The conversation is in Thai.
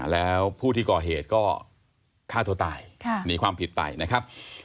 แล้วผู้ที่ก่อเหตุก็ฆ่าตัวตายหนีความผิดไปนะครับ